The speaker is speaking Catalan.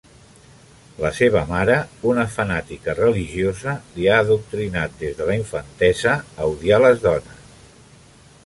La seva mare, una fanàtica religiosa, li ha adoctrinat des de la infantesa a odiar les dones.